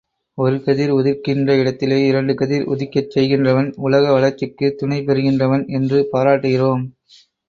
ஒரு கதிர் உதிக்கின்ற இடத்திலே இரண்டு கதிர் உதிக்கச் செய்கின்றவன் உலக வளர்ச்சிக்குத் துணை புரிகின்றவன் என்று பாராட்டுகிறோம்.